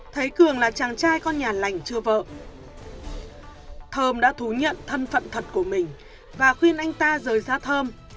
thấy cường là chàng trai con nhà lành chưa vợ thơ thơm đã thú nhận thân phận thật của mình và khuyên anh ta rời ra thơm